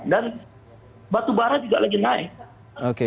dan batu bara juga lagi naik